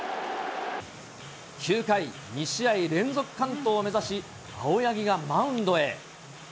９回、２試合連続完投を目指し、青柳がマウンドへ。